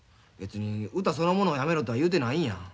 別に歌そのものをやめろとは言うてないんや。